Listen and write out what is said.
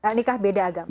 menikah beda agama